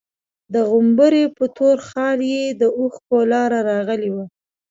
د غومبري په تور خال يې د اوښکو لاره راغلې وه.